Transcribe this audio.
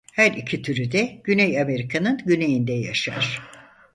Her iki türü de Güney Amerika'nın güneyinde yaşar.